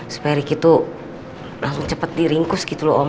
supaya ricky tuh langsung cepet diringkus gitu loh om